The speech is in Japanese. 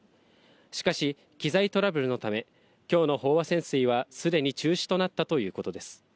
しかし、機材トラブルのため、きょうの飽和潜水はすでに中止となったということです。